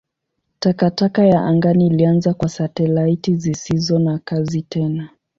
Takataka ya angani ilianza kwa satelaiti zisizo na kazi tena.